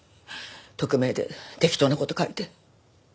匿名で適当な事書いて。